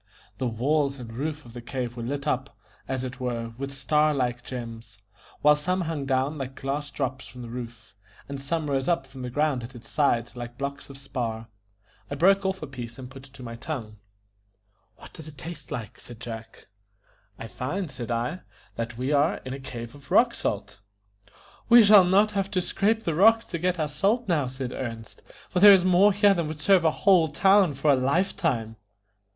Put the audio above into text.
The walls and roof of the cave were lit up, as it were, with star like gems, while some hung down like glass drops from the roof, and some rose up from the ground at its sides like blocks of spar. I broke off a piece and put it on my tongue. "What does it taste like?" said Jack. "I find," said I, "that we are in a cave of rock salt." "We shall not have to scrape the rocks to get our salt now," said Ernest, "for there is more here than would serve a whole town for a lifetime."